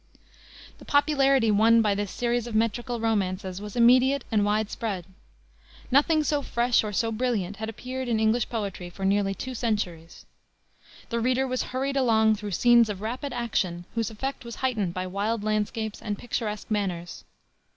The popularity won by this series of metrical romances was immediate and wide spread. Nothing so fresh, or so brilliant, had appeared in English poetry for nearly two centuries. The reader was hurried along through scenes of rapid action, whose effect was heightened by wild landscapes and picturesque manners.